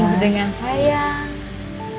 penuh dengan sayang